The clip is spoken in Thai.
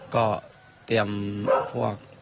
ก็เตรียมพวก